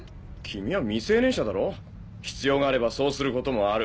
君は未成年者だろ？必要があればそうすることもある。